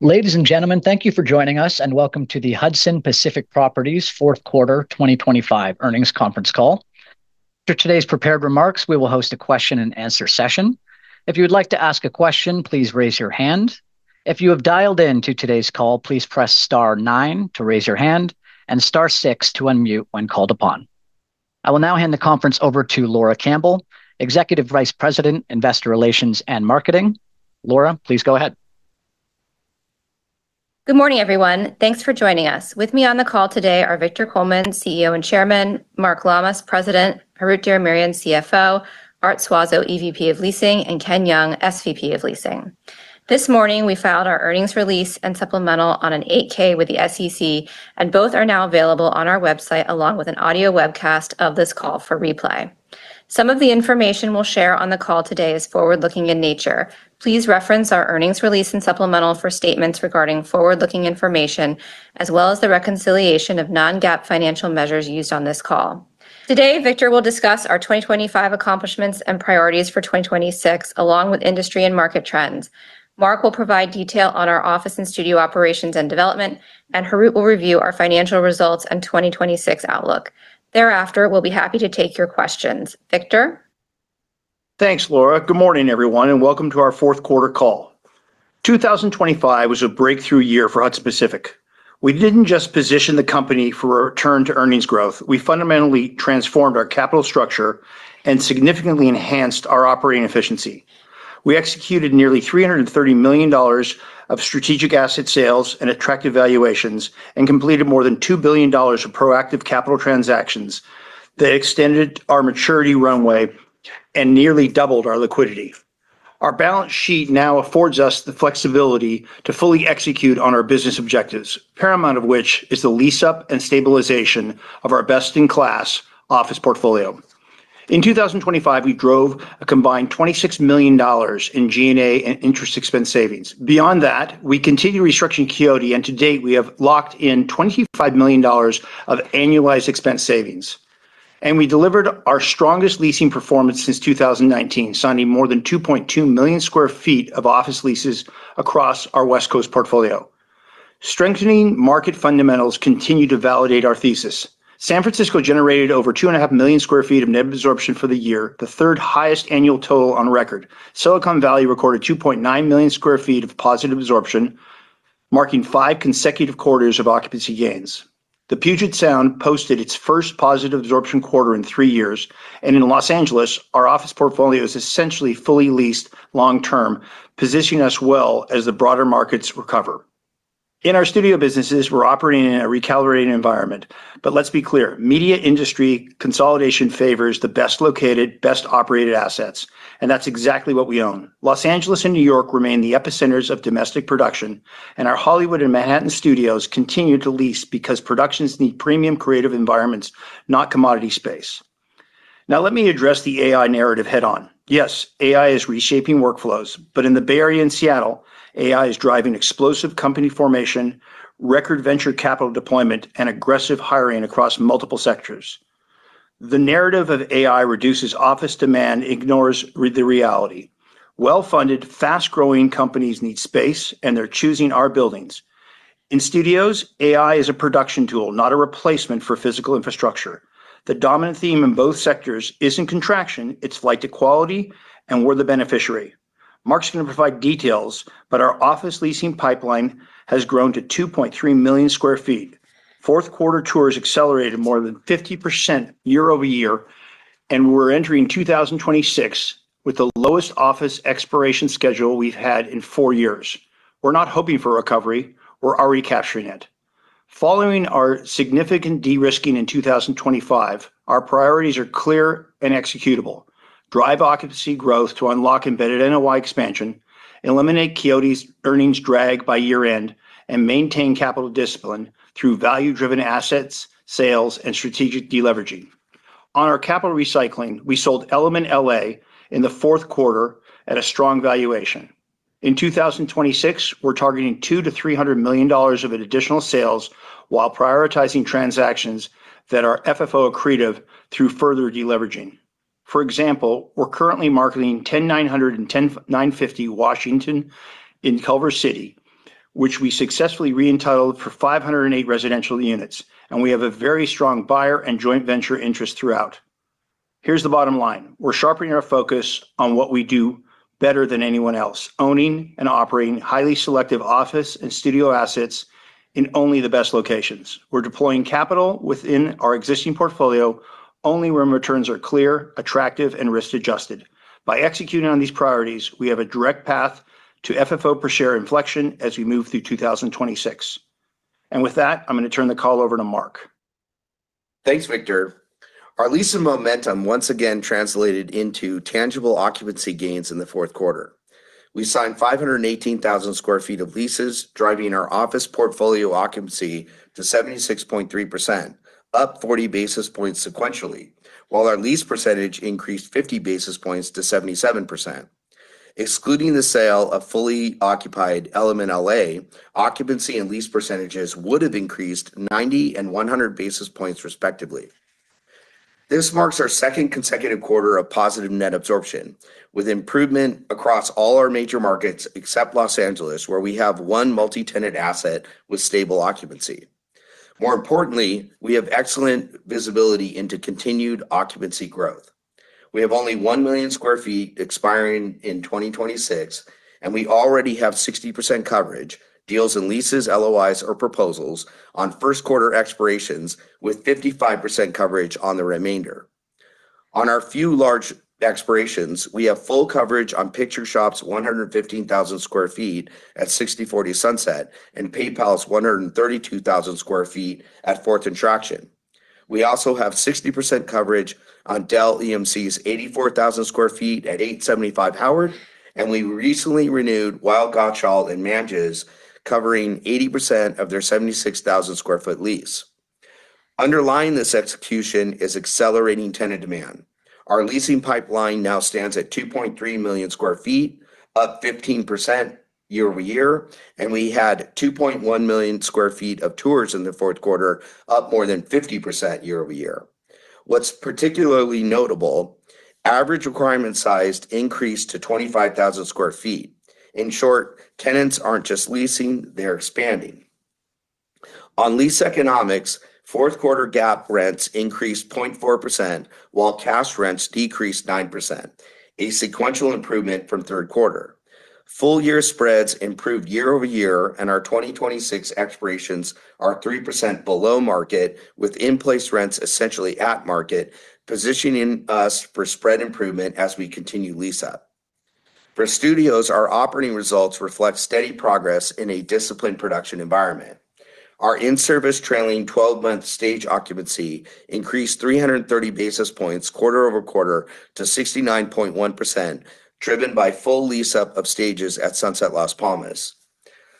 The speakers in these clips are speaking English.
Ladies and gentlemen, thank you for joining us, and welcome to the Hudson Pacific Properties Fourth Quarter 2025 Earnings Conference Call. After today's prepared remarks, we will host a question and answer session. If you'd like to ask a question, please raise your hand. If you have dialed in to today's call, please press star nine to raise your hand and star six to unmute when called upon. I will now hand the conference over to Laura Campbell, Executive Vice President, Investor Relations and Marketing. Laura, please go ahead. Good morning, everyone. Thanks for joining us. With me on the call today are Victor Coleman, CEO and Chairman, Mark Lamas, President, Harout Diramerian, CFO, Art Suazo, EVP of Leasing, and Ken Young, SVP of Leasing. This morning, we filed our earnings release and supplemental on an 8-K with the SEC. Both are now available on our website, along with an audio webcast of this call for replay. Some of the information we'll share on the call today is forward-looking in nature. Please reference our earnings release and supplemental for statements regarding forward-looking information, as well as the reconciliation of non-GAAP financial measures used on this call. Today, Victor will discuss our 2025 accomplishments and priorities for 2026, along with industry and market trends. Mark will provide detail on our office and studio operations and development, and Harout will review our financial results and 2026 outlook. Thereafter, we'll be happy to take your questions. Victor? Thanks, Laura. Good morning, everyone, welcome to our fourth quarter call. 2025 was a breakthrough year for Hudson Pacific. We didn't just position the company for a return to earnings growth, we fundamentally transformed our capital structure and significantly enhanced our operating efficiency. We executed nearly $330 million of strategic asset sales and attractive valuations, completed more than $2 billion of proactive capital transactions that extended our maturity runway and nearly doubled our liquidity. Our balance sheet now affords us the flexibility to fully execute on our business objectives, paramount of which is the lease-up and stabilization of our best-in-class office portfolio. In 2025, we drove a combined $26 million in G&A and interest expense savings. Beyond that, we continued restructuring Quixote, to date, we have locked in $25 million of annualized expense savings. We delivered our strongest leasing performance since 2019, signing more than 2.2 million sq ft of office leases across our West Coast portfolio. Strengthening market fundamentals continue to validate our thesis. San Francisco generated over 2.5 million sq ft of net absorption for the year, the third highest annual total on record. Silicon Valley recorded 2.9 million sq ft of positive absorption, marking five consecutive quarters of occupancy gains. The Puget Sound posted its first positive absorption quarter in three years. In L.A., our office portfolio is essentially fully leased long term, positioning us well as the broader markets recover. In our studio businesses, we're operating in a recalibrated environment. Let's be clear: media industry consolidation favors the best located, best operated assets, and that's exactly what we own. L.A. and N.Y. remain the epicenters of domestic production. Our Hollywood and Manhattan studios continue to lease because productions need premium creative environments, not commodity space. Let me address the AI narrative head-on. Yes, AI is reshaping workflows. In the Bay Area and Seattle, AI is driving explosive company formation, record venture capital deployment, and aggressive hiring across multiple sectors. The narrative of AI reduces office demand ignores the reality. Well-funded, fast-growing companies need space. They're choosing our buildings. In studios, AI is a production tool, not a replacement for physical infrastructure. The dominant theme in both sectors isn't contraction, it's flight to quality. We're the beneficiary. Mark's going to provide details. Our office leasing pipeline has grown to 2.3 million sq ft. Fourth quarter tours accelerated more than 50% year-over-year, and we're entering 2026 with the lowest office expiration schedule we've had in four years. We're not hoping for recovery, we're already capturing it. Following our significant de-risking in 2025, our priorities are clear and executable: drive occupancy growth to unlock embedded NOI expansion, eliminate Quixote's earnings drag by year-end, and maintain capital discipline through value-driven assets, sales, and strategic deleveraging. On our capital recycling, we sold Element LA in the fourth quarter at a strong valuation. In 2026, we're targeting $200 million-$300 million of additional sales while prioritizing transactions that are FFO accretive through further deleveraging. For example, we're currently marketing 10950 Washington in Culver City, which we successfully re-entitled for 508 residential units. We have a very strong buyer and joint venture interest throughout. Here's the bottom line: We're sharpening our focus on what we do better than anyone else, owning and operating highly selective office and studio assets in only the best locations. We're deploying capital within our existing portfolio only when returns are clear, attractive, and risk-adjusted. By executing on these priorities, we have a direct path to FFO per share inflection as we move through 2026. With that, I'm gonna turn the call over to Mark. Thanks, Victor. Our leasing momentum once again translated into tangible occupancy gains in the fourth quarter. We signed 518,000 sq ft of leases, driving our office portfolio occupancy to 76.3%, up 40 basis points sequentially, while our lease percentage increased 50 basis points to 77%. Excluding the sale of fully occupied Element LA, occupancy and lease percentages would have increased 90 and 100 basis points, respectively. This marks our second consecutive quarter of positive net absorption, with improvement across all our major markets, except Los Angeles, where we have one multi-tenant asset with stable occupancy. More importantly, we have excellent visibility into continued occupancy growth. We have only 1 million sq ft expiring in 2026, and we already have 60% coverage, deals and leases, LOIs, or proposals on first quarter expirations, with 55% coverage on the remainder. On our few large expirations, we have full coverage on Picture Shop, 115,000 sq ft at 6040 Sunset, and PayPal's 132,000 sq ft at Fourth and Traction. We also have 60% coverage on Dell EMC's 84,000 sq ft at 875 Howard, we recently renewed Weil, Gotshal & Manges, covering 80% of their 76,000 sq ft lease. Underlying this execution is accelerating tenant demand. Our leasing pipeline now stands at 2.3 million sq ft, up 15% year-over-year, we had 2.1 million sq ft of tours in the fourth quarter, up more than 50% year-over-year. What's particularly notable, average requirement size increased to 25,000 sq ft. In short, tenants aren't just leasing, they're expanding. On lease economics, fourth quarter GAAP rents increased 0.4%, while cash rents decreased 9%, a sequential improvement from third quarter. Full year spreads improved year-over-year, and our 2026 expirations are 3% below market, with in-place rents essentially at market, positioning us for spread improvement as we continue lease up. For studios, our operating results reflect steady progress in a disciplined production environment. Our in-service trailing twelve-month stage occupancy increased 330 basis points quarter-over-quarter to 69.1%, driven by full lease up of stages at Sunset Las Palmas.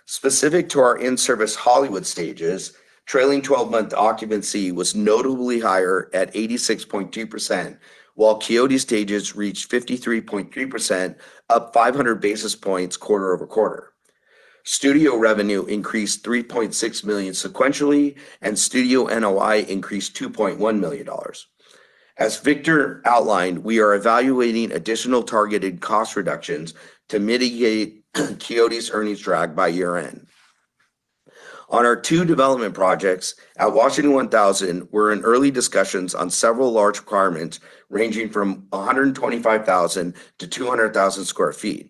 Specific to our in-service Hollywood stages, trailing twelve-month occupancy was notably higher at 86.2%, while Quixote stages reached 53.3%, up 500 basis points quarter-over-quarter. Studio revenue increased $3.6 million sequentially, studio NOI increased $2.1 million. As Victor outlined, we are evaluating additional targeted cost reductions to mitigate Quixote's earnings drag by year-end. On our two development projects, at Washington 1000, we're in early discussions on several large requirements, ranging from 125,000 sq ft-200,000 sq ft.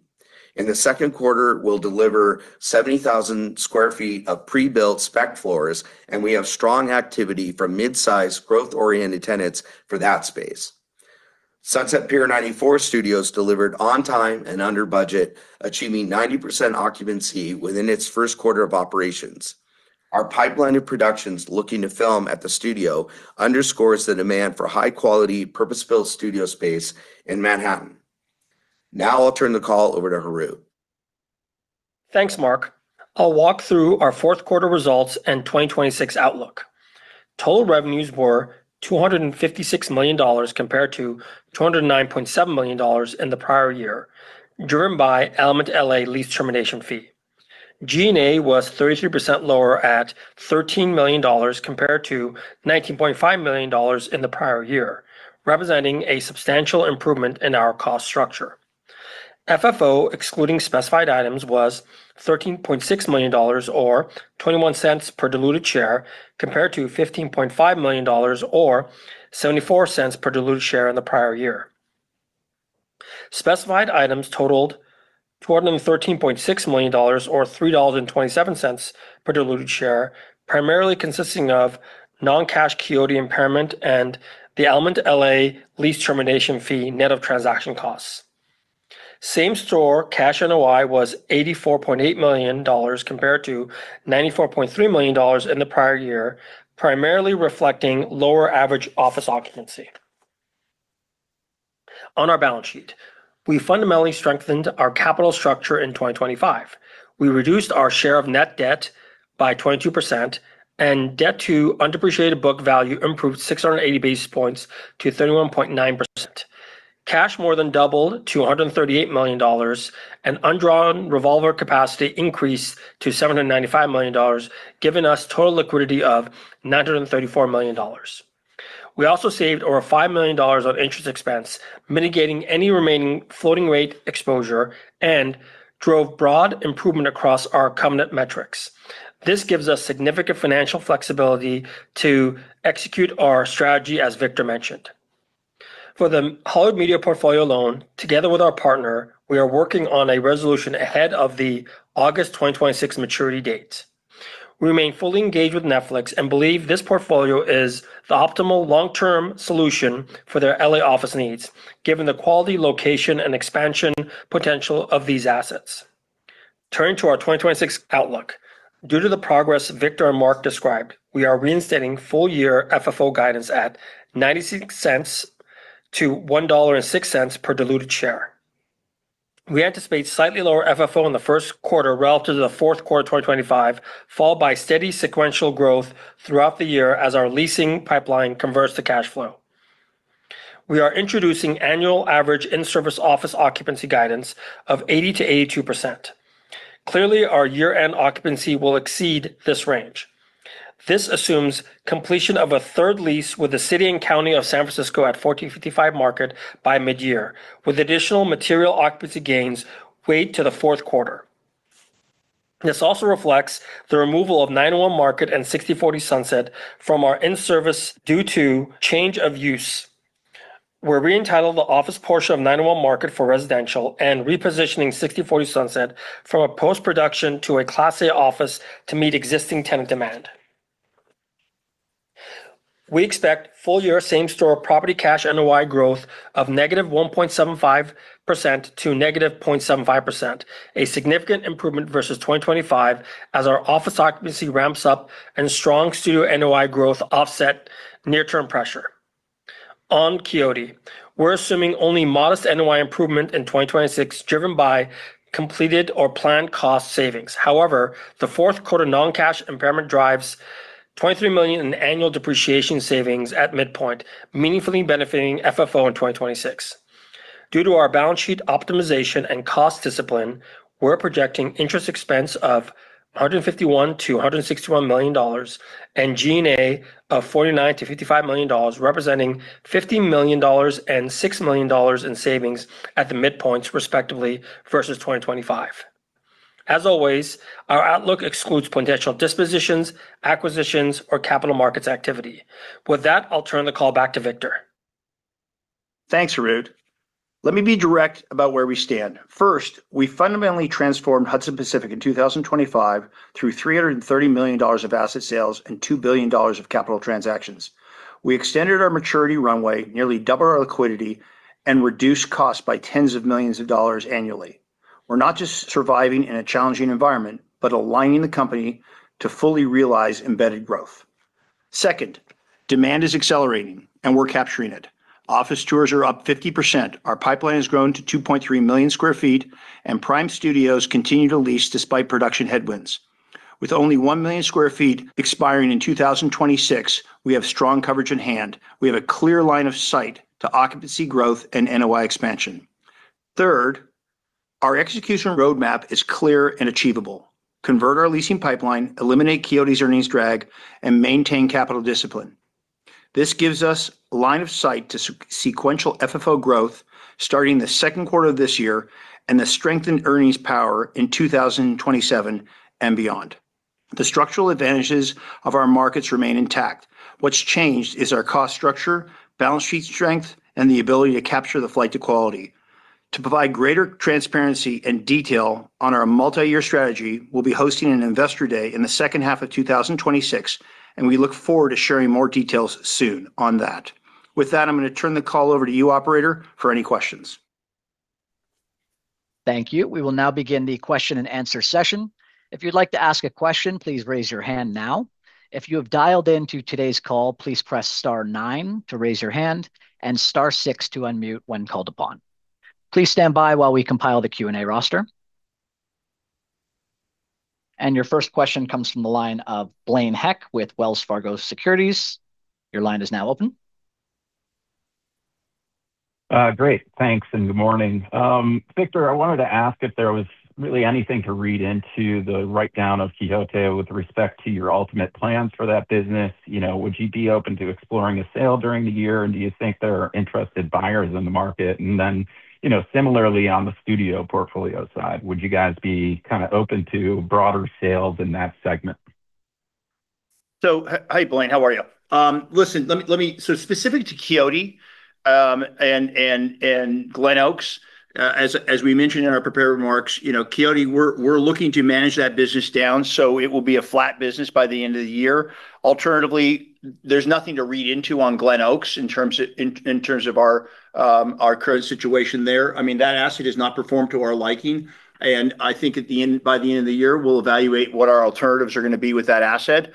In the second quarter, we'll deliver 70,000 sq ft of pre-built spec floors, we have strong activity from mid-sized, growth-oriented tenants for that space. Sunset Pier 94 Studios delivered on time and under budget, achieving 90% occupancy within its first quarter of operations. Our pipeline of productions looking to film at the studio underscores the demand for high-quality, purpose-built studio space in Manhattan. I'll turn the call over to Harout. Thanks, Mark. I'll walk through our fourth quarter results and 2026 outlook. Total revenues were $256 million compared to $209.7 million in the prior year, driven by Element LA lease termination fee. G&A was 33% lower at $13 million, compared to $19.5 million in the prior year, representing a substantial improvement in our cost structure. FFO, excluding specified items, was $13.6 million, or $0.21 per diluted share, compared to $15.5 million, or $0.74 per diluted share in the prior year. Specified items totaled $213.6 million, or $3.27 per diluted share, primarily consisting of non-cash Quixote impairment and the Element LA lease termination fee, net of transaction costs. Same-store cash NOI was $84.8 million compared to $94.3 million in the prior year, primarily reflecting lower average office occupancy. On our balance sheet, we fundamentally strengthened our capital structure in 2025. We reduced our share of net debt by 22%, and debt to undepreciated book value improved 680 basis points to 31.9%. Cash more than doubled to $138 million, and undrawn revolver capacity increased to $795 million, giving us total liquidity of $934 million. We also saved over $5 million on interest expense, mitigating any remaining floating rate exposure and drove broad improvement across our covenant metrics. This gives us significant financial flexibility to execute our strategy, as Victor mentioned. For the Hollywood Media Portfolio loan, together with our partner, we are working on a resolution ahead of the August 2026 maturity date. We remain fully engaged with Netflix and believe this portfolio is the optimal long-term solution for their L.A. office needs, given the quality, location, and expansion potential of these assets. Turning to our 2026 outlook. Due to the progress Victor and Mark described, we are reinstating full-year FFO guidance at $0.96-$1.06 per diluted share. We anticipate slightly lower FFO in the first quarter relative to the fourth quarter 2025, followed by steady sequential growth throughout the year as our leasing pipeline converts to cash flow. We are introducing annual average in-service office occupancy guidance of 80%-82%. Clearly, our year-end occupancy will exceed this range. This assumes completion of a 3rd lease with the city and county of San Francisco at 1455 Market by mid-year, with additional material occupancy gains weighed to the 4th quarter. This also reflects the removal of 901 Market and 6040 Sunset from our in-service due to change of use. We're re-entitling the office portion of 901 Market for residential and repositioning 6040 Sunset from a post-production to a class A office to meet existing tenant demand. We expect full-year same-store property cash NOI growth of -1.75% to -0.75%, a significant improvement versus 2025 as our office occupancy ramps up and strong studio NOI growth offset near-term pressure. On Quixote, we're assuming only modest NOI improvement in 2026, driven by completed or planned cost savings. The fourth quarter non-cash impairment drives $23 million in annual depreciation savings at midpoint, meaningfully benefiting FFO in 2026. Due to our balance sheet optimization and cost discipline, we're projecting interest expense of $151 million-$161 million and G&A of $49 million-$55 million, representing $50 million and $6 million in savings at the midpoints, respectively, versus 2025. As always, our outlook excludes potential dispositions, acquisitions, or capital markets activity. With that, I'll turn the call back to Victor. Thanks, Harout. Let me be direct about where we stand. We fundamentally transformed Hudson Pacific in 2025 through $330 million of asset sales and $2 billion of capital transactions. We extended our maturity runway, nearly double our liquidity, and reduced costs by $10s of millions annually. We're not just surviving in a challenging environment, but aligning the company to fully realize embedded growth. Demand is accelerating, and we're capturing it. Office tours are up 50%. Our pipeline has grown to 2.3 million sq ft. Prime studios continue to lease despite production headwinds. With only 1 million sq ft expiring in 2026, we have strong coverage in hand. We have a clear line of sight to occupancy growth and NOI expansion. Third, our execution roadmap is clear and achievable: convert our leasing pipeline, eliminate Quixote's earnings drag, and maintain capital discipline. This gives us line of sight to sequential FFO growth starting the second quarter of this year and the strengthened earnings power in 2027 and beyond. The structural advantages of our markets remain intact. What's changed is our cost structure, balance sheet strength, and the ability to capture the flight to quality. To provide greater transparency and detail on our multi-year strategy, we'll be hosting an Investor Day in the second half of 2026. We look forward to sharing more details soon on that. With that, I'm gonna turn the call over to you, operator, for any questions. Thank you. We will now begin the question-and-answer session. If you'd like to ask a question, please raise your hand now. If you have dialed in to today's call, please press star nine to raise your hand and star six to unmute when called upon. Please stand by while we compile the Q&A roster. Your first question comes from the line of Blaine Heck with Wells Fargo Securities. Your line is now open. Great. Thanks, and good morning. Victor, I wanted to ask if there was really anything to read into the write-down of Quixote with respect to your ultimate plans for that business. You know, would you be open to exploring a sale during the year, and do you think there are interested buyers in the market? You know, similarly, on the studio portfolio side, would you guys be kind of open to broader sales in that segment? Hi, Blaine, how are you? listen, let me So specific to Quixote, and Glenoaks, as we mentioned in our prepared remarks, you know, Quixote, we're looking to manage that business down, so it will be a flat business by the end of the year. Alternatively, there's nothing to read into on Glenoaks in terms of our current situation there. I mean, that asset has not performed to our liking, and I think by the end of the year, we'll evaluate what our alternatives are gonna be with that asset.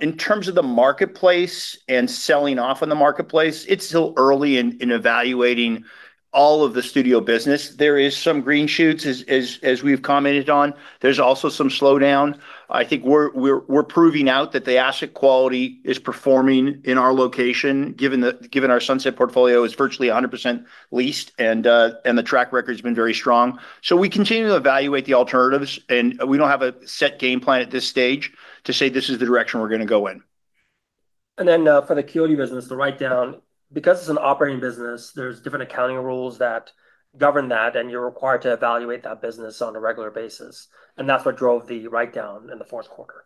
In terms of the marketplace and selling off in the marketplace, it's still early in evaluating all of the studio business. There is some green shoots, as we've commented on. There's also some slowdown. I think we're proving out that the asset quality is performing in our location, given our Sunset portfolio is virtually 100% leased, and the track record's been very strong. We continue to evaluate the alternatives, and we don't have a set game plan at this stage to say, this is the direction we're gonna go in. For the Quixote business, the write-down, because it's an operating business, there's different accounting rules that govern that, and you're required to evaluate that business on a regular basis, and that's what drove the write-down in the fourth quarter.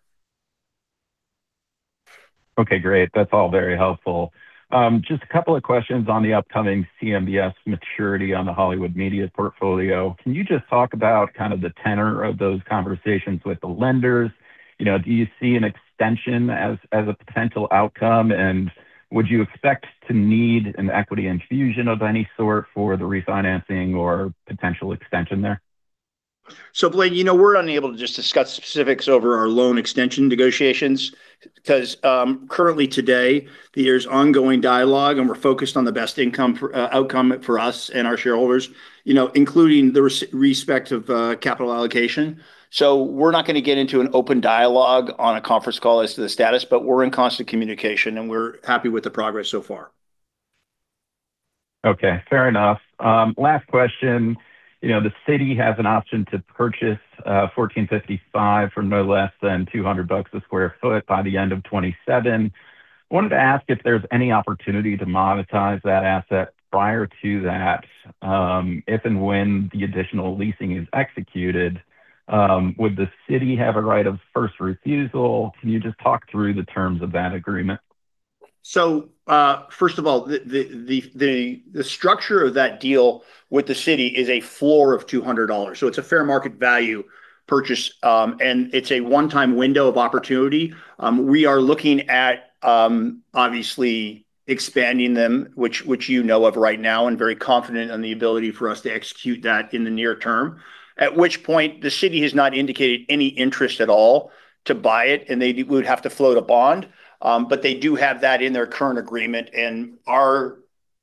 Great. That's all very helpful. just two questions on the upcoming CMBS maturity on the Hollywood Media Portfolio. Can you just talk about kind of the tenor of those conversations with the lenders? You know, do you see an extension as a potential outcome, and would you expect to need an equity infusion of any sort for the refinancing or potential extension there? Blaine, you know, we're unable to just discuss specifics over our loan extension negotiations, 'cause currently today, there's ongoing dialogue, and we're focused on the best outcome for us and our shareholders, you know, including the respect of capital allocation. We're not gonna get into an open dialogue on a conference call as to the status, but we're in constant communication, and we're happy with the progress so far. Okay, fair enough. Last question. You know, the city has an option to purchase 1455 for no less than $200 a square foot by the end of 2027. I wanted to ask if there's any opportunity to monetize that asset prior to that? If and when the additional leasing is executed, would the city have a right of first refusal? Can you just talk through the terms of that agreement? First of all, the structure of that deal with the city is a floor of $200, it's a fair market value purchase. It's a one-time window of opportunity. We are looking at obviously expanding them, which you know of right now, very confident on the ability for us to execute that in the near term. At which point, the city has not indicated any interest at all to buy it, they would have to float a bond. They do have that in their current agreement, our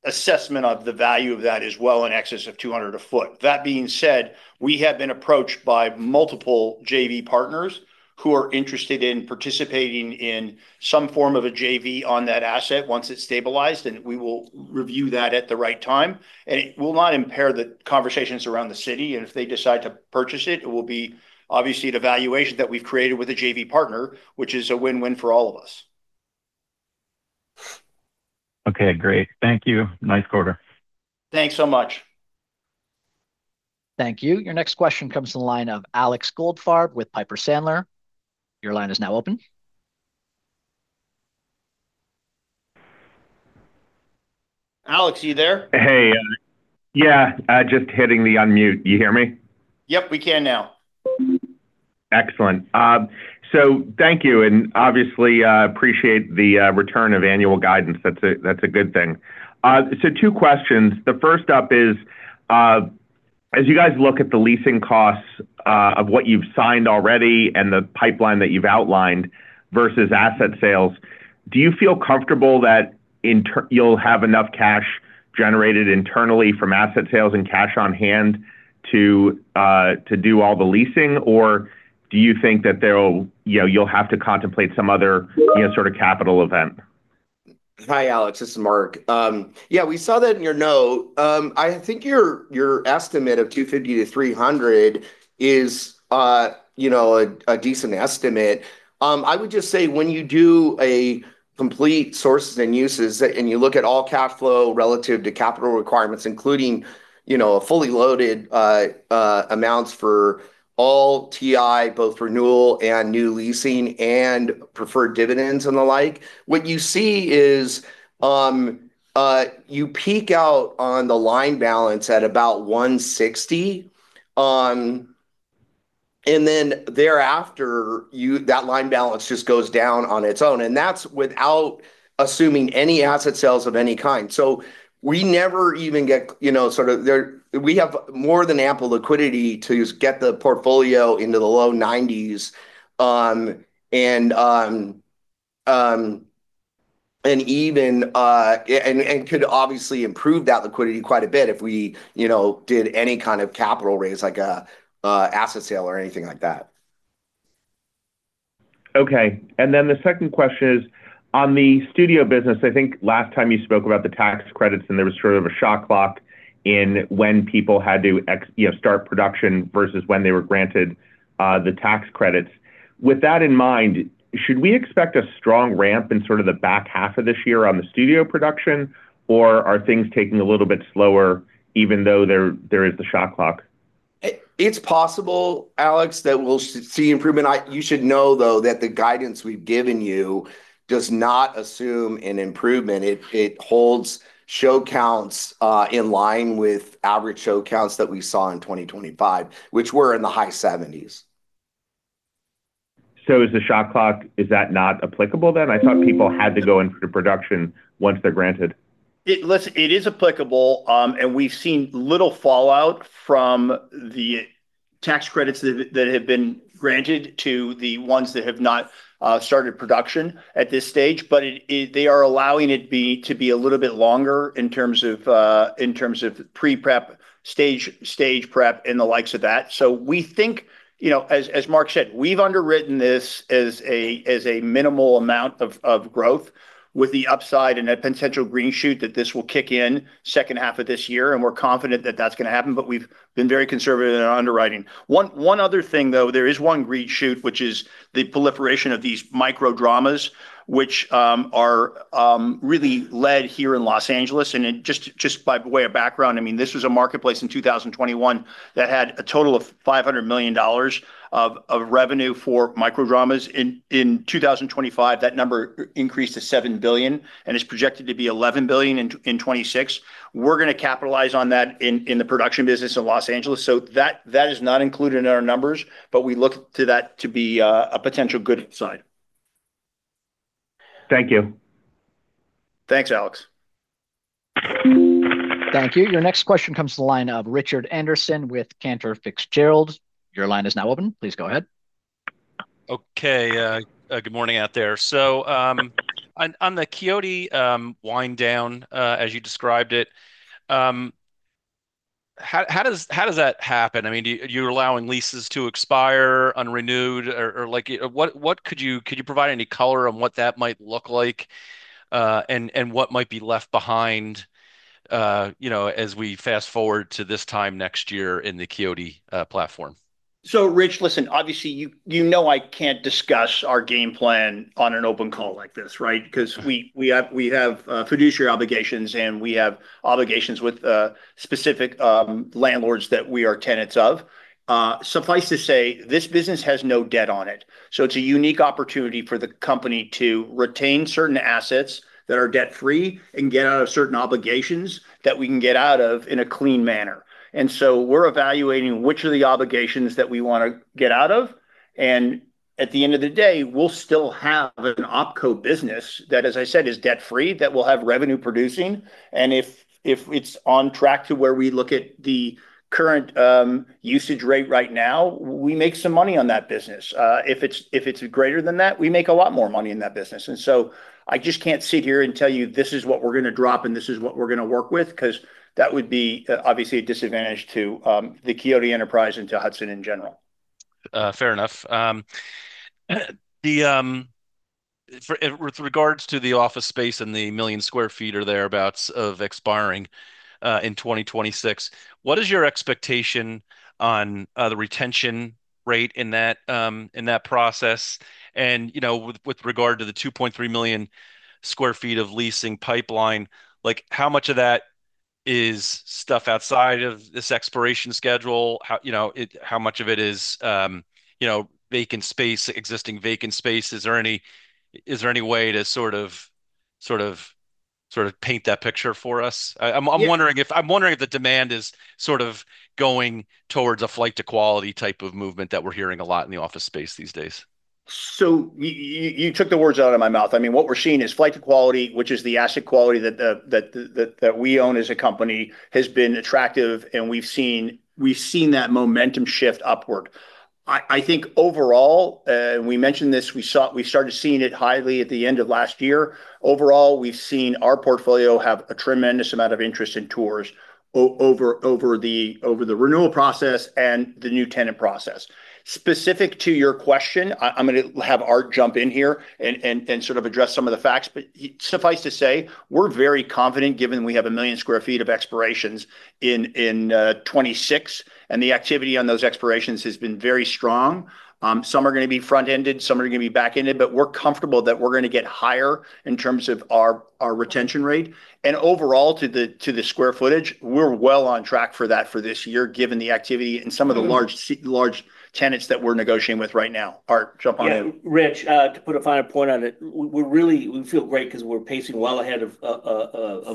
assessment of the value of that is well in excess of $200 a foot. That being said, we have been approached by multiple JV partners who are interested in participating in some form of a JV on that asset once it's stabilized. We will review that at the right time. It will not impair the conversations around the city, and if they decide to purchase it will be obviously at a valuation that we've created with a JV partner, which is a win-win for all of us. Okay, great. Thank you. Nice quarter. Thanks so much. Thank you. Your next question comes from the line of Alex Goldfarb with Piper Sandler. Your line is now open. Alex, are you there? Hey, yeah, just hitting the unmute. You hear me? Yep, we can now. Excellent. Thank you, and obviously, appreciate the return of annual guidance. That's a good thing. Two questions. The first up is, as you guys look at the leasing costs, of what you've signed already and the pipeline that you've outlined versus asset sales, do you feel comfortable that you'll have enough cash generated internally from asset sales and cash on hand to do all the leasing, or do you think that you know, you'll have to contemplate some other, you know, sort of, capital event? Hi, Alex, this is Mark. Yeah, we saw that in your note. I think your estimate of $250-$300 is, you know, a decent estimate. I would just say, when you do a complete sources and uses, and you look at all cash flow relative to capital requirements, including, you know, a fully loaded amounts for all TI, both renewal and new leasing, and preferred dividends and the like, what you see is, you peak out on the line balance at about $160, and then thereafter, that line balance just goes down on its own, and that's without assuming any asset sales of any kind. We never even get, you know, sort of, We have more than ample liquidity to just get the portfolio into the low 90s. Even and could obviously improve that liquidity quite a bit if we, you know, did any kind of capital raise, like a asset sale or anything like that. The second question is, on the studio business, I think last time you spoke about the tax credits, and there was sort of a shot clock in when people had to you know, start production versus when they were granted the tax credits. With that in mind, should we expect a strong ramp in sort of the back half of this year on the studio production, or are things taking a little bit slower, even though there is the shot clock? It's possible, Alex, that we'll see improvement. You should know, though, that the guidance we've given you does not assume an improvement. It holds show counts in line with average show counts that we saw in 2025, which were in the high 70s. Is the shot clock, is that not applicable then? I thought people had to go into production once they're granted. Listen, it is applicable, and we've seen little fallout from the tax credits that have been granted to the ones that have not started production at this stage. They are allowing it be, to be a little bit longer in terms of, in terms of pre-prep, stage prep, and the likes of that. We think, you know, as Mark said, we've underwritten this as a minimal amount of growth, with the upside and a potential green shoot that this will kick in second half of this year, and we're confident that that's gonna happen, but we've been very conservative in our underwriting. One other thing, though, there is one green shoot, which is the proliferation of these micro dramas, which are really led here in Los Angeles. just by way of background, I mean, this was a marketplace in 2021 that had a total of $500 million of revenue for micro dramas. In 2025, that number increased to $7 billion and is projected to be $11 billion in 2026. We're gonna capitalize on that in the production business in Los Angeles. That is not included in our numbers, but we look to that to be a potential good side. Thank you. Thanks, Alex. Thank you. Your next question comes to the line of Rich Anderson with Cantor Fitzgerald. Your line is now open, please go ahead. Okay, good morning out there. On the Quixote wind down, as you described it, how does that happen? I mean, are you allowing leases to expire unrenewed? Or, like, what could you provide any color on what that might look like, and what might be left behind, you know, as we fast-forward to this time next year in the Quixote platform? Rich, listen, obviously, you know I can't discuss our game plan on an open call like this, right? Because we have fiduciary obligations, and we have obligations with specific landlords that we are tenants of. Suffice to say, this business has no debt on it, so it's a unique opportunity for the company to retain certain assets that are debt-free and get out of certain obligations that we can get out of in a clean manner. We're evaluating which of the obligations that we want to get out of, and at the end of the day, we'll still have an OpCo business that, as I said, is debt-free, that will have revenue producing. If it's on track to where we look at the current usage rate right now, we make some money on that business. if it's greater than that, we make a lot more money in that business. I just can't sit here and tell you, this is what we're gonna drop, and this is what we're gonna work with, 'cause that would be, obviously a disadvantage to, the Quixote enterprise and to Hudson in general. Fair enough. the For, with regards to the office space and the 1 million sq ft or thereabouts of expiring, in 2026, what is your expectation on, the retention rate in that, in that process? You know, with regard to the 2.3 million sq ft of leasing pipeline, like, how much of that is stuff outside of this expiration schedule? How, you know, how much of it is, you know, vacant space, existing vacant space? Is there any, is there any way to sort of paint that picture for us? Yeah- I'm wondering if the demand is sort of going towards a flight to quality type of movement that we're hearing a lot in the office space these days. You took the words out of my mouth. I mean, what we're seeing is flight to quality, which is the asset quality that we own as a company, has been attractive, and we've seen that momentum shift upward. I think overall, and we mentioned this, we started seeing it highly at the end of last year. Overall, we've seen our portfolio have a tremendous amount of interest in tours over the renewal process and the new tenant process. Specific to your question, I'm gonna have Art jump in here and sort of address some of the facts. Suffice to say, we're very confident, given we have 1 million sq ft of expirations in 2026, and the activity on those expirations has been very strong. Some are gonna be front-ended, some are gonna be back-ended. We're comfortable that we're gonna get higher in terms of our retention rate. Overall, to the square footage, we're well on track for that for this year, given the activity. Mm-hmm And some of the large tenants that we're negotiating with right now. Art, jump on in. Yeah, Rich, to put a finer point on it, we're really, we feel great 'cause we're pacing well ahead of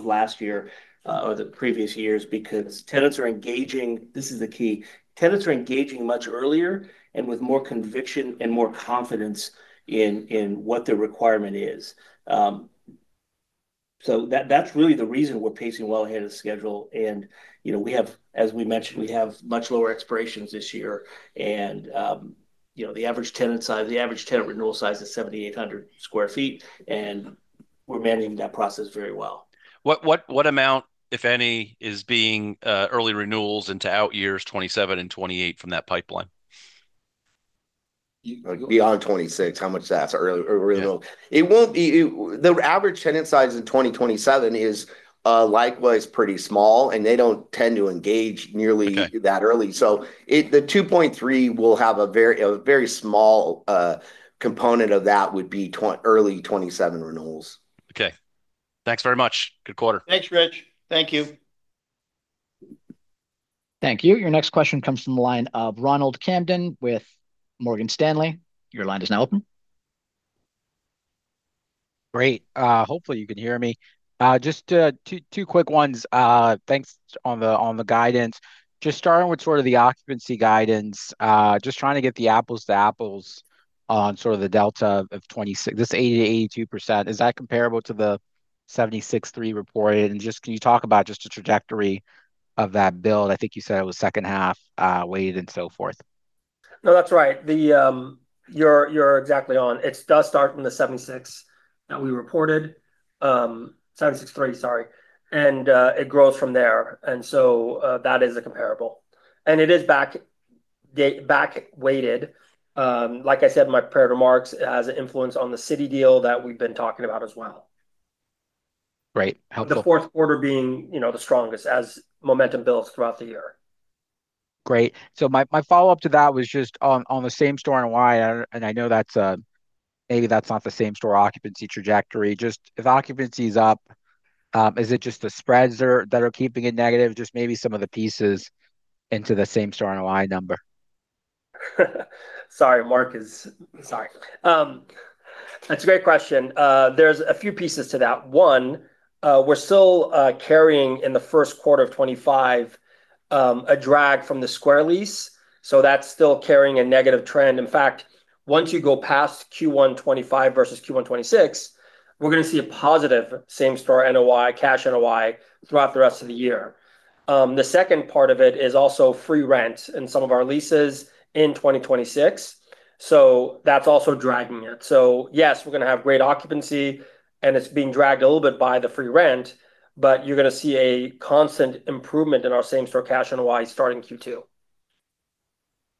last year or the previous years, because tenants are engaging. This is the key: Tenants are engaging much earlier and with more conviction and more confidence in what their requirement is. That's really the reason we're pacing well ahead of schedule. You know, we have, as we mentioned, we have much lower expirations this year. You know, the average tenant size, the average tenant renewal size is 7,800 sq ft, and we're managing that process very well. What amount, if any, is being early renewals into out years 2027 and 2028 from that pipeline? Like, beyond 2026, how much that's early renewal? Yeah. The average tenant size in 2027 is likewise pretty small, and they don't tend to engage. Okay That early. it, the 2.3 million sq ft will have a very small component of that would be early 2027 renewals. Okay. Thanks very much. Good quarter. Thanks, Rich. Thank you. Thank you. Your next question comes from the line of Ronald Kamdem with Morgan Stanley. Your line is now open. Great. Hopefully you can hear me. Just two quick ones. Thanks on the guidance. Just starting with sort of the occupancy guidance, just trying to get the apples to apples on sort of the delta of 26, this 80%-82%, is that comparable to the 76/3 reported? Just can you talk about just the trajectory of that build? I think you said it was second half weighted and so forth. No, that's right. You're exactly on. It does start from the 76 that we reported, 76/3, sorry, and it grows from there. That is a comparable. It is back date, back-weighted. Like I said in my prepared remarks, it has an influence on the city deal that we've been talking about as well. Great. The fourth quarter being, you know, the strongest as momentum builds throughout the year. Great. My, my follow-up to that was just on the same-store and why, and I know that's, maybe that's not the same-store occupancy trajectory. Just if occupancy is up, is it just the spreads that are keeping it negative? Just maybe some of the pieces into the same-store NOI number? That's a great question. There's a few pieces to that. One, we're still carrying, in the first quarter of 2025, a drag from the Square lease, so that's still carrying a negative trend. Once you go past Q1 2025 versus Q1 2026, we're gonna see a positive same-store NOI, cash NOI, throughout the rest of the year. The second part of it is also free rent in some of our leases in 2026, so that's also dragging it. Yes, we're gonna have great occupancy, and it's being dragged a little bit by the free rent, but you're gonna see a constant improvement in our same-store cash NOI starting Q2.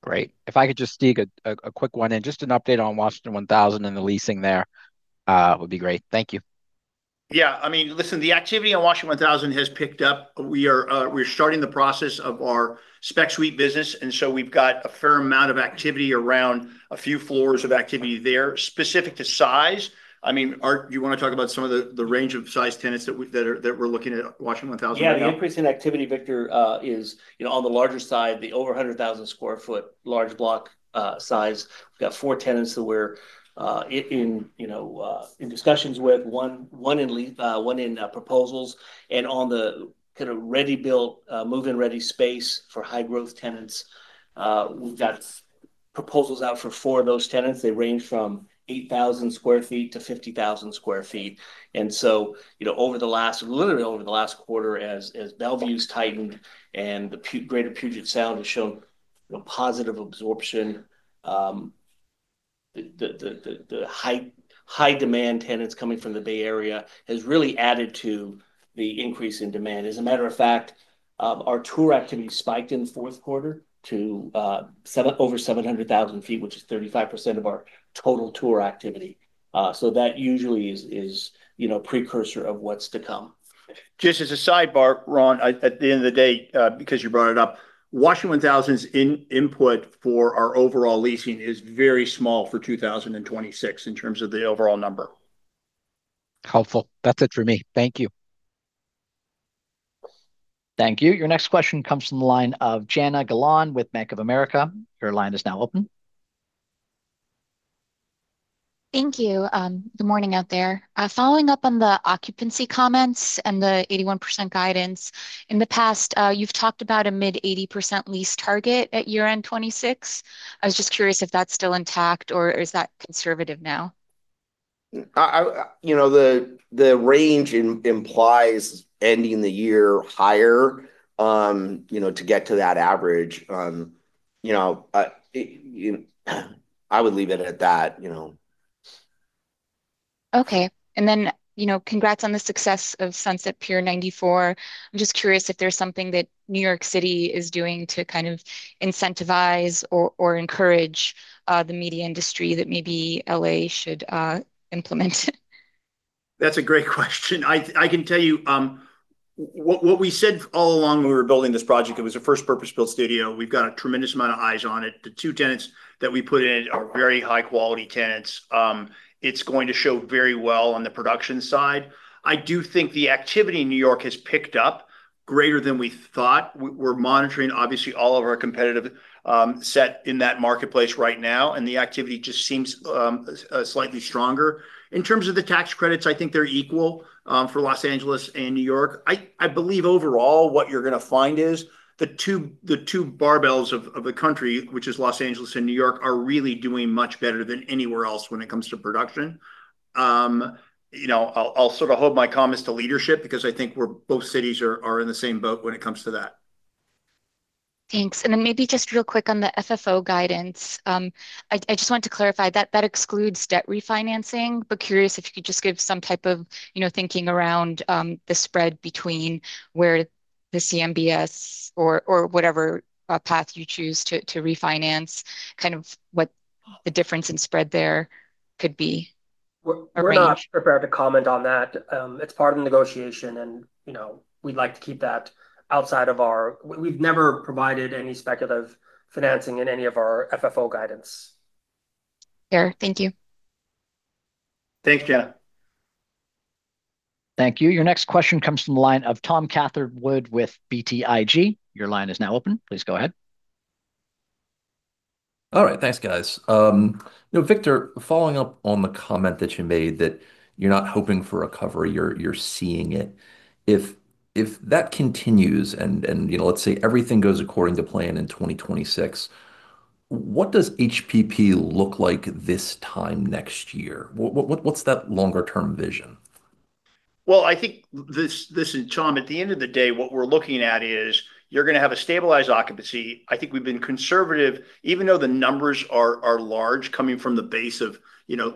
Great. If I could just sneak a quick one in, just an update on Washington 1000 and the leasing there would be great. Thank you. I mean, listen, the activity in Washington 1000 has picked up. We are, we're starting the process of our spec suite business, we've got a fair amount of activity around a few floors of activity there. Specific to size, I mean, Art, do you want to talk about some of the range of size tenants that we're looking at Washington 1000 right now? Yeah, the increase in activity, Victor, is, you know, on the larger side, the over 100,000 sq ft large block size. We've got four tenants that we're in, you know, in discussions with, one in proposals, and on the kind of ready-built, move-in-ready space for high-growth tenants. We've got proposals out for four of those tenants. They range from 8,000 sq ft-50,000 sq ft. You know, over the last literally, over the last quarter, as Bellevue's tightened and the greater Puget Sound has shown, you know, positive absorption, the high-demand tenants coming from the Bay Area has really added to the increase in demand. As a matter of fact, our tour activity spiked in the fourth quarter to over 700,000 ft, which is 35% of our total tour activity. That usually is, you know, precursor of what's to come. Just as a sidebar, Ron, at the end of the day, because you brought it up, Washington 1000's input for our overall leasing is very small for 2026 in terms of the overall number. Helpful. That's it for me. Thank you. Thank you. Your next question comes from the line of Jana Galan with Bank of America. Your line is now open. Thank you. Good morning out there. Following up on the occupancy comments and the 81% guidance, in the past, you've talked about a mid-80% lease target at year-end 2026. I was just curious if that's still intact, or is that conservative now? I, you know, the range implies ending the year higher, you know, to get to that average. You know, I would leave it at that, you know. Okay. you know, congrats on the success of Sunset Pier 94. I'm just curious if there's something that New York City is doing to kind of incentivize or encourage the media industry that maybe L.A. should implement. That's a great question. I can tell you what we said all along when we were building this project, it was a first purpose-built studio. We've got a tremendous amount of eyes on it. The two tenants that we put in it are very high-quality tenants. It's going to show very well on the production side. I do think the activity in New York has picked up greater than we thought. We're monitoring, obviously, all of our competitive set in that marketplace right now. The activity just seems slightly stronger. In terms of the tax credits, I think they're equal for Los Angeles and New York. I believe overall, what you're gonna find is the two barbells of the country, which is Los Angeles and New York, are really doing much better than anywhere else when it comes to production. You know, I'll sort of hold my comments to leadership because I think both cities are in the same boat when it comes to that. Thanks. Maybe just real quick on the FFO guidance. I just wanted to clarify, that excludes debt refinancing, but curious if you could just give some type of, you know, thinking around, the spread between where the CMBS or whatever, path you choose to refinance, kind of what the difference in spread there could be arranged? We're not prepared to comment on that. It's part of the negotiation, and, you know, we'd like to keep that outside of our, we've never provided any speculative financing in any of our FFO guidance. Sure. Thank you. Thanks, Jana. Thank you. Your next question comes from the line of Tom Catherwood with BTIG. Your line is now open. Please go ahead. All right. Thanks, guys. You know, Victor, following up on the comment that you made, that you're not hoping for recovery, you're seeing it, if that continues, and, you know, let's say everything goes according to plan in 2026, what does HPP look like this time next year? What's that longer term vision? Well, I think this, and Tom, at the end of the day, what we're looking at is you're gonna have a stabilized occupancy. I think we've been conservative, even though the numbers are large, coming from the base of, you know,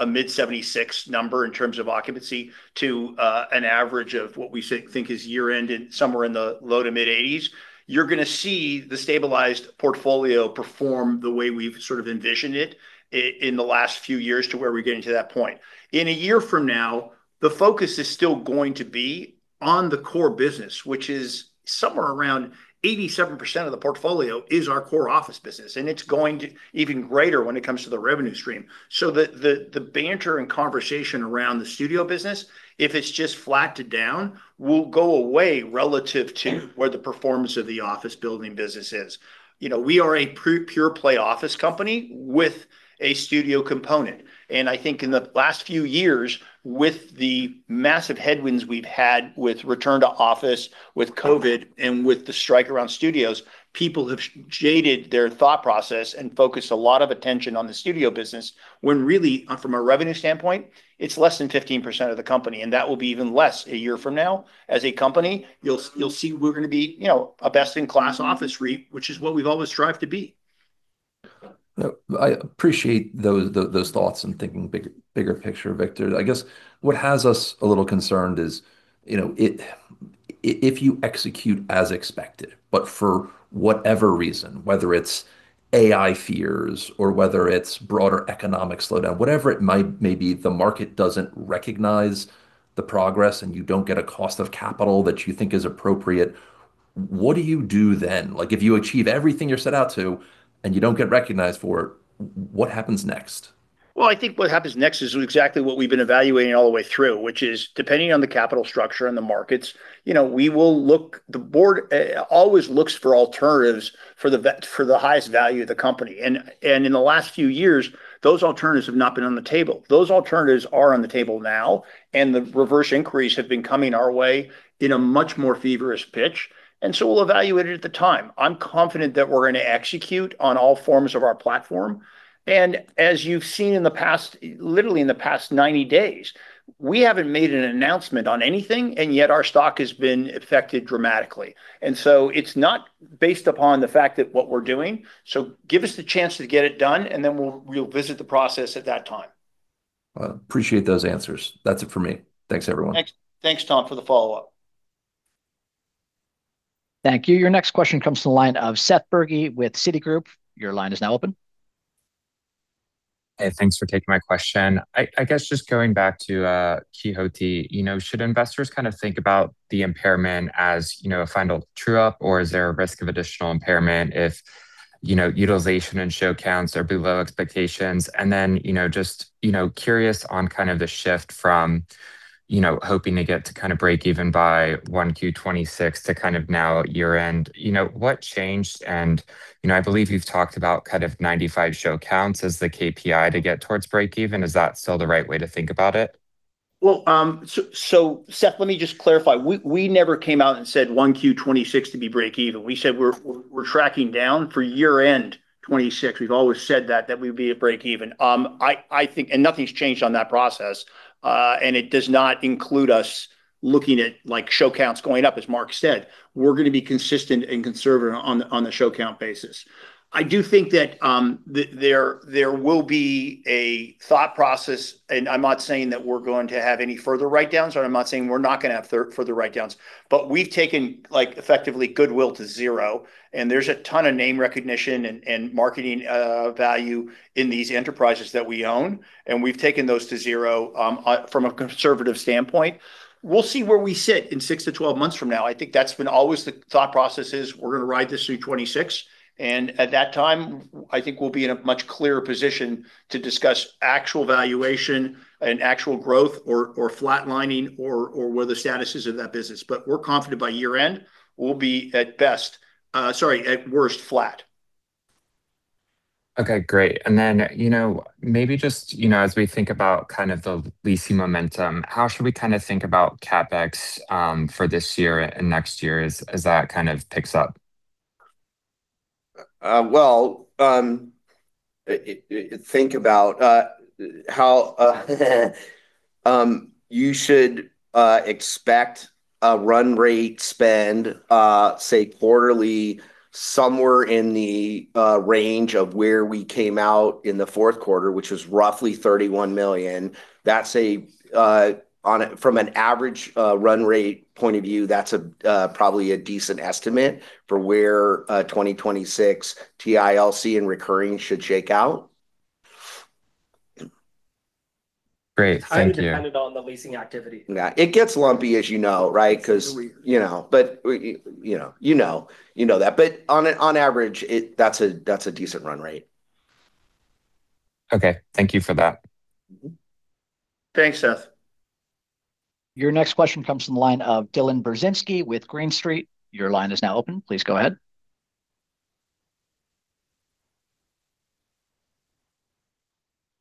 a mid-76 number in terms of occupancy to an average of what we think is year-end in somewhere in the low to mid-80s. You're gonna see the stabilized portfolio perform the way we've sort of envisioned it in the last few years to where we're getting to that point. In a year from now, the focus is still going to be on the core business, which is somewhere around 87% of the portfolio is our core office business, and it's going to even greater when it comes to the revenue stream. The banter and conversation around the studio business, if it's just flat to down, will go away relative to where the performance of the office building business is. You know, we are a pure play office company with a studio component, and I think in the last few years, with the massive headwinds we've had with return to office, with COVID, and with the strike around studios, people have jaded their thought process and focused a lot of attention on the studio business, when really, from a revenue standpoint, it's less than 15% of the company, and that will be even less a year from now. As a company, you'll see we're gonna be, you know, a best-in-class office REIT, which is what we've always strived to be. No, I appreciate those thoughts and thinking bigger picture, Victor. I guess what has us a little concerned is, you know, if you execute as expected, but for whatever reason, whether it's AI fears or whether it's broader economic slowdown, whatever it might may be, the market doesn't recognize the progress, and you don't get a cost of capital that you think is appropriate, what do you do then? Like, if you achieve everything you're set out to, and you don't get recognized for it, what happens next? Well, I think what happens next is exactly what we've been evaluating all the way through, which is depending on the capital structure and the markets, you know, we will look, the board always looks for alternatives for the highest value of the company. In the last few years, those alternatives have not been on the table. Those alternatives are on the table now, and the reverse inquiries have been coming our way in a much more feverish pitch, and so we'll evaluate it at the time. I'm confident that we're gonna execute on all forms of our platform, and as you've seen in the past, literally, in the past 90 days, we haven't made an announcement on anything, and yet our stock has been affected dramatically. It's not based upon the fact that what we're doing, so give us the chance to get it done, and then we'll visit the process at that time. Well, appreciate those answers. That's it for me. Thanks, everyone. Thanks. Thanks, Tom, for the follow-up. Thank you. Your next question comes from the line of Seth Bergey with Citigroup. Your line is now open. Hey, thanks for taking my question. I guess just going back to Quixote, you know, should investors kind of think about the impairment as, you know, a final true-up, or is there a risk of additional impairment if, you know, utilization and show counts are below expectations? You know, just, you know, curious on kind of the shift from, you know, hoping to get to kind of break even by 1Q 2026 to kind of now year-end, you know, what changed? You know, I believe you've talked about kind of 95 show counts as the KPI to get towards break even. Is that still the right way to think about it? Seth, let me just clarify. We never came out and said 1Q 2026 to be break even. We said we're tracking down for year-end 2026. We've always said that we'd be at break even. Nothing's changed on that process, and it does not include us looking at, like, show counts going up, as Mark said. We're gonna be consistent and conservative on the show count basis. I do think that there will be a thought process. I'm not saying that we're going to have any further write-downs, or I'm not saying we're not gonna have further write-downs, we've taken, like, effectively goodwill to zero. There's a ton of name recognition and marketing value in these enterprises that we own, we've taken those to zero from a conservative standpoint. We'll see where we sit in six to 12 months from now. I think that's been always the thought process is we're gonna ride this through 2026, at that time, I think we'll be in a much clearer position to discuss actual valuation and actual growth or flatlining or where the status is of that business. We're confident by year-end, we'll be at best, sorry, at worst, flat. Okay, great. you know, maybe just, you know, as we think about kind of the leasing momentum, how should we kind of think about CapEx for this year and next year as that kind of picks up? Well, think about how you should expect a run rate spend, say, quarterly, somewhere in the range of where we came out in the fourth quarter, which is roughly $31 million. From an average run rate point of view, that's a probably a decent estimate for where 2026 TILC and recurring should shake out. Great, thank you. Highly dependent on the leasing activity. Yeah, it gets lumpy, as you know, right? Mm-hmm. You know, but you know that. On average, that's a decent run rate. Okay. Thank you for that. Mm-hmm. Thanks, Seth. Your next question comes from the line of Dylan Burzinski with Green Street. Your line is now open. Please go ahead.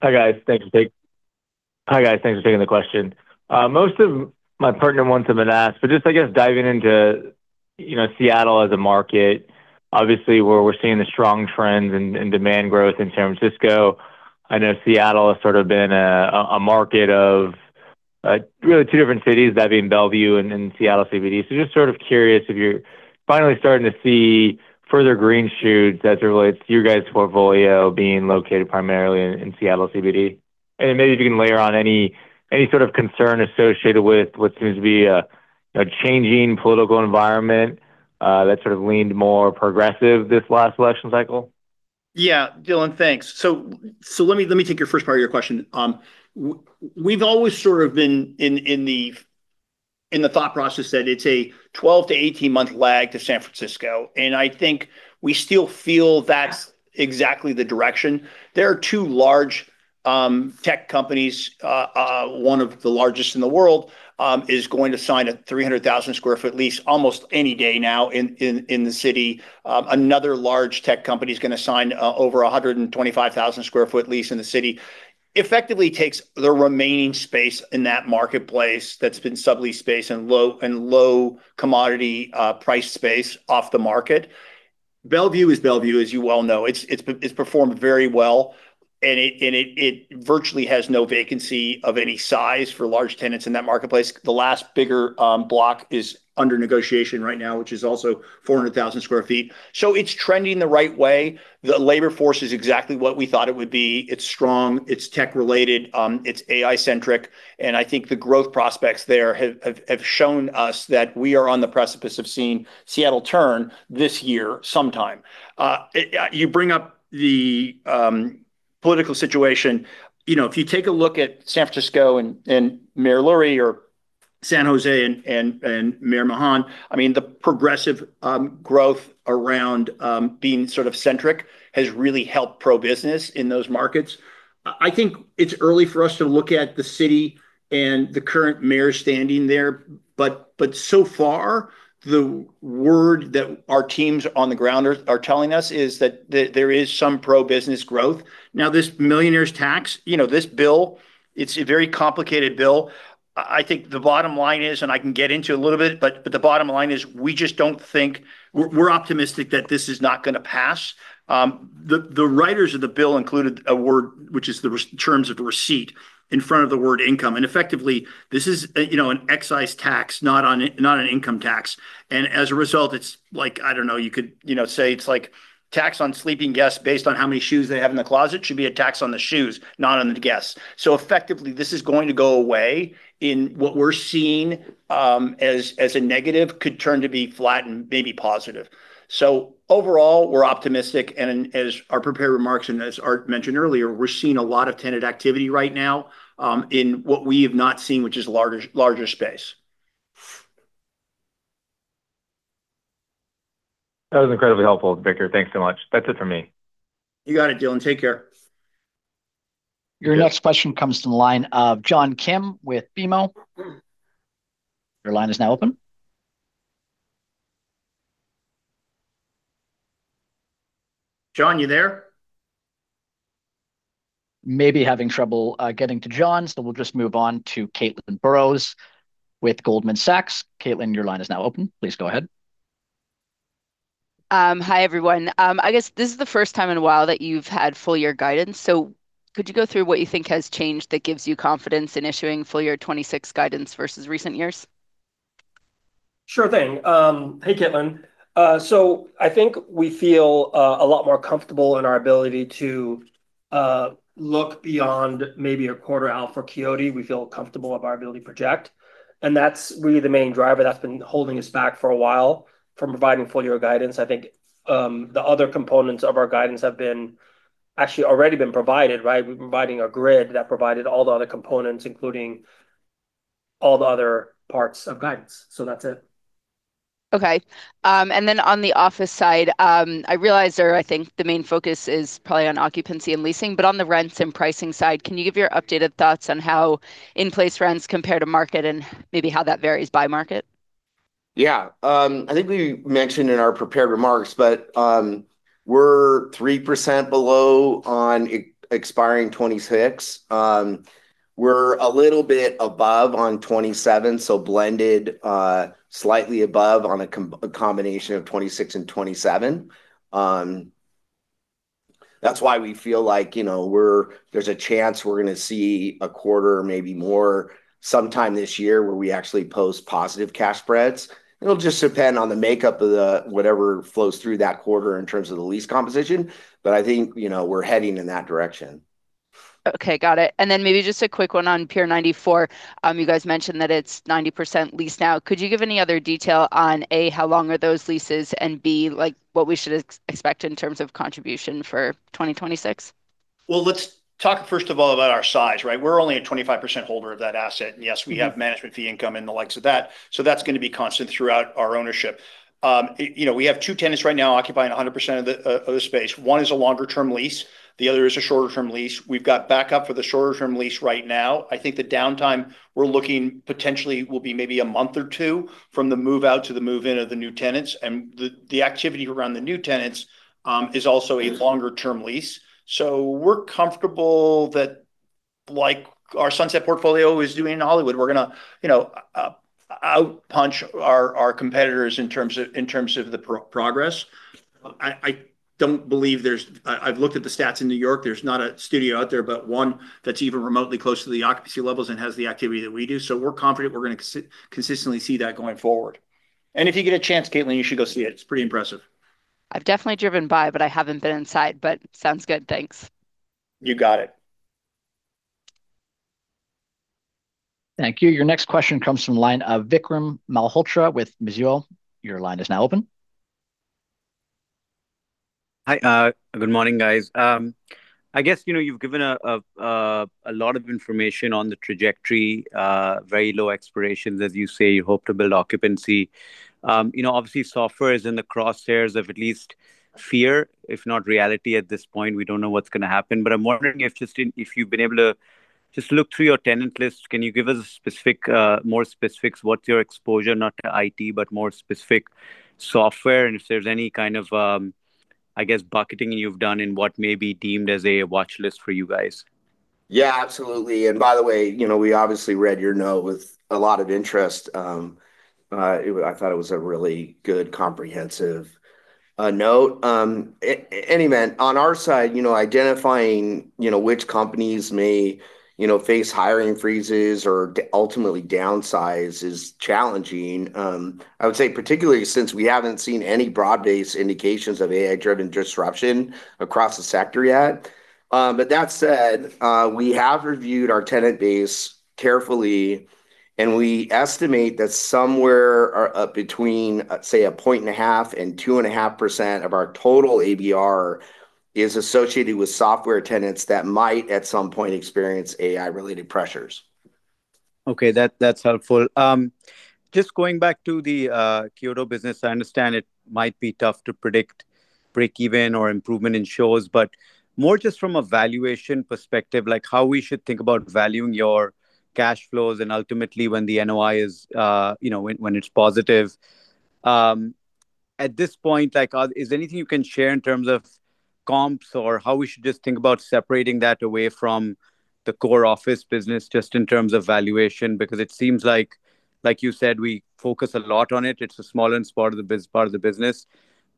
Hi, guys. Thanks for taking the question. Most of my partner wants have been asked, but just, I guess diving into, you know, Seattle as a market, obviously, where we're seeing the strong trends and demand growth in San Francisco. I know Seattle has sort of been a market of really two different cities, that being Bellevue and Seattle CBD. Just sort of curious if you're finally starting to see further green shoots as it relates to you guys' portfolio being located primarily in Seattle CBD. Maybe if you can layer on any sort of concern associated with what seems to be a changing political environment that sort of leaned more progressive this last election cycle. Yeah. Dylan, thanks. Let me take your first part of your question. We've always sort of been in the thought process that it's a 12-18 month lag to San Francisco, and I think we still feel that's exactly the direction. There are two large tech companies, one of the largest in the world, is going to sign a 300,000 sq ft lease almost any day now in the city. Another large tech company is gonna sign over a 125,000 sq ft lease in the city. Effectively takes the remaining space in that marketplace that's been sublease space and low commodity price space off the market. Bellevue is Bellevue, as you well know. It's performed very well. It virtually has no vacancy of any size for large tenants in that marketplace. The last bigger block is under negotiation right now, which is also 400,000 sq ft. It's trending the right way. The labor force is exactly what we thought it would be. It's strong, it's tech related, it's AI centric. I think the growth prospects there have shown us that we are on the precipice of seeing Seattle turn this year sometime. You bring up the political situation. You know, if you take a look at San Francisco and Mayor Lurie or San Jose and Mayor Mahan, I mean, the progressive growth around being sort of centric has really helped pro-business in those markets. I think it's early for us to look at the city and the current mayor standing there, but so far, the word that our teams on the ground are telling us is that there is some pro-business growth. This millionaire's tax, you know, this bill, it's a very complicated bill. I think the bottom line is, and I can get into it a little bit. The bottom line is, We're optimistic that this is not gonna pass. The writers of the bill included a word, which is terms of receipt in front of the word income. Effectively, this is a, you know, an excise tax, not an income tax. As a result, it's like, I don't know, you could, you know, say it's like tax on sleeping guests based on how many shoes they have in the closet. It should be a tax on the shoes, not on the guests. Effectively, this is going to go away, and what we're seeing, as a negative could turn to be flat and maybe positive. Overall, we're optimistic, and as our prepared remarks and as Art mentioned earlier, we're seeing a lot of tenant activity right now, in what we have not seen, which is larger space. That was incredibly helpful, Victor. Thanks so much. That's it for me. You got it, Dylan. Take care. Your next question comes from the line of John Kim with BMO. Your line is now open. John, you there? May be having trouble getting to John, so we'll just move on to Caitlin Burrows with Goldman Sachs. Caitlin, your line is now open. Please go ahead. Hi, everyone. I guess this is the first time in a while that you've had full year guidance. Could you go through what you think has changed that gives you confidence in issuing full year 2026 guidance versus recent years? Sure thing. Hey, Caitlin. I think we feel a lot more comfortable in our ability to look beyond maybe a quarter out for Quixote. We feel comfortable of our ability to project, and that's really the main driver that's been holding us back for a while from providing full year guidance. I think the other components of our guidance have been, actually already been provided, right? We've been providing a grid that provided all the other components, including all the other parts of guidance. That's it. Okay. On the office side, I realize there, I think, the main focus is probably on occupancy and leasing, but on the rents and pricing side, can you give your updated thoughts on how in-place rents compare to market and maybe how that varies by market? I think we mentioned in our prepared remarks, we're 3% below on expiring 2026. We're a little bit above on 2027, blended slightly above on a combination of 2026 and 2027. That's why we feel like, you know, there's a chance we're gonna see a quarter or maybe more sometime this year, where we actually post positive cash spreads. It'll just depend on the makeup of the, whatever flows through that quarter in terms of the lease composition, I think, you know, we're heading in that direction. Okay, got it. Then maybe just a quick one on Pier 94. You guys mentioned that it's 90% leased now. Could you give any other detail on, A, how long are those leases, and B, like, what we should expect in terms of contribution for 2026? Let's talk first of all about our size, right? We're only a 25% holder of that asset, and yes, we have- Mm-hmm Management fee income and the likes of that, so that's gonna be constant throughout our ownership. You know, we have two tenants right now occupying 100% of the space. One is a longer term lease, the other is a shorter term lease. We've got backup for the shorter term lease right now. I think the downtime we're looking potentially will be maybe one month or two from the move-out to the move-in of the new tenants, and the activity around the new tenants is also a longer term lease. We're comfortable that, like our Sunset portfolio is doing in Hollywood, we're gonna, you know, outpunch our competitors in terms of the progress. I don't believe there's. I've looked at the stats in New York. There's not a studio out there, but one that's even remotely close to the occupancy levels and has the activity that we do. We're confident we're gonna consistently see that going forward. If you get a chance, Caitlin, you should go see it. It's pretty impressive. I've definitely driven by, but I haven't been inside, but sounds good. Thanks. You got it. Thank you. Your next question comes from the line of Vikram Malhotra with Mizuho. Your line is now open. Hi, good morning, guys. I guess, you know, you've given a lot of information on the trajectory, very low expirations. As you say, you hope to build occupancy. You know, obviously, software is in the crosshairs of at least fear, if not reality, at this point. We don't know what's gonna happen. I'm wondering if just in, if you've been able to just look through your tenant list, can you give us specific, more specifics, what's your exposure, not to IT, but more specific software, and if there's any kind of, I guess, bucketing you've done in what may be deemed as a watchlist for you guys? Yeah, absolutely. By the way, you know, we obviously read your note with a lot of interest. I thought it was a really good, comprehensive note. Anyway, on our side, you know, identifying, you know, which companies may, you know, face hiring freezes or ultimately downsize is challenging. I would say particularly since we haven't seen any broad-based indications of AI-driven disruption across the sector yet. That said, we have reviewed our tenant base carefully, and we estimate that somewhere between, say, 1.5% and 2.5% of our total ABR is associated with software tenants that might, at some point, experience AI-related pressures. Okay, that's helpful. Just going back to the Quixote business, I understand it might be tough to predict break even or improvement in shows, but more just from a valuation perspective, like how we should think about valuing your cash flows and ultimately when the NOI is, you know, when it's positive. At this point, like, is there anything you can share in terms of comps or how we should just think about separating that away from the core office business, just in terms of valuation? It seems like you said, we focus a lot on it. It's the smallest part of the business,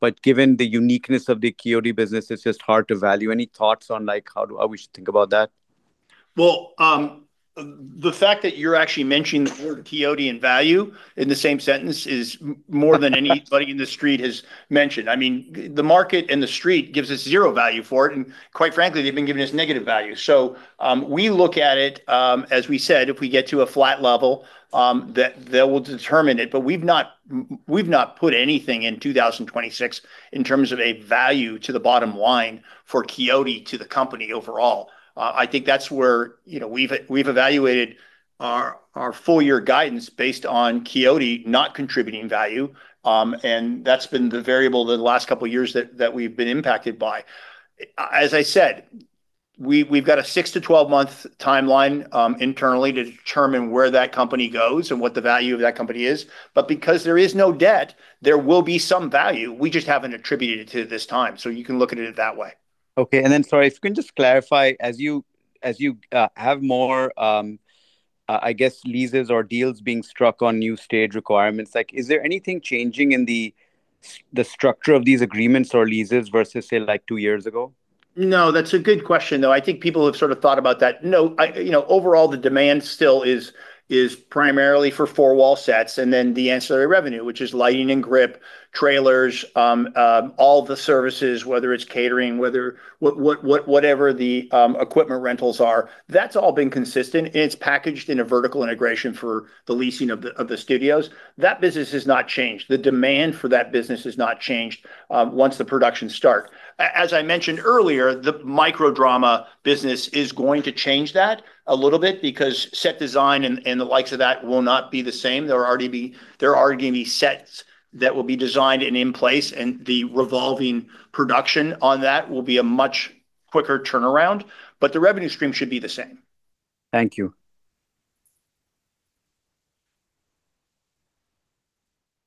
but given the uniqueness of the Quixote business, it's just hard to value. Any thoughts on, like, how we should think about that? Well, the fact that you're actually mentioning the word Quixote and value in the same sentence is more than anybody in the street has mentioned. I mean, the market and the street gives us zero value for it, and quite frankly, they've been giving us negative value. We look at it, as we said, if we get to a flat level, that will determine it. We've not put anything in 2026 in terms of a value to the bottom line for Quixote to the company overall. I think that's where, you know, we've evaluated our full year guidance based on Quixote not contributing value, and that's been the variable the last couple of years that we've been impacted by. As I said, we've got a six to 12 month timeline internally to determine where that company goes and what the value of that company is. Because there is no debt, there will be some value, we just haven't attributed it to this time. You can look at it that way. Sorry, if you can just clarify, as you have more, I guess, leases or deals being struck on new stage requirements, like, is there anything changing in the structure of these agreements or leases versus, say, like, two years ago? No, that's a good question, though. I think people have sort of thought about that. No, I, you know, overall, the demand still is primarily for four-wall sets and then the ancillary revenue, which is lighting and grip, trailers, all the services, whether it's catering, whatever the equipment rentals are, that's all been consistent, and it's packaged in a vertical integration for the leasing of the studios. That business has not changed. The demand for that business has not changed once the production start. As I mentioned earlier, the micro dramas business is going to change that a little bit because set design and the likes of that will not be the same. There are already going to be sets that will be designed and in place, and the revolving production on that will be a much quicker turnaround, but the revenue stream should be the same. Thank you.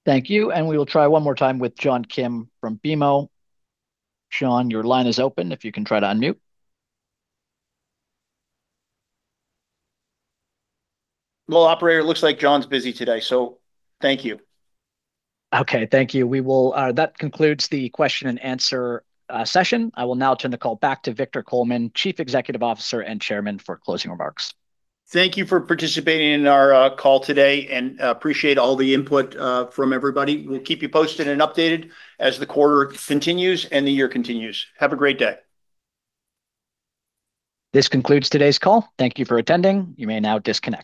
Thank you. We will try one more time with John Kim from BMO. John, your line is open, if you can try to unmute. Well, operator, it looks like John's busy today, so thank you. Okay, thank you. That concludes the question and answer session. I will now turn the call back to Victor Coleman, Chief Executive Officer and Chairman, for closing remarks. Thank you for participating in our call today, and appreciate all the input from everybody. We'll keep you posted and updated as the quarter continues and the year continues. Have a great day. This concludes today's call. Thank you for attending. You may now disconnect.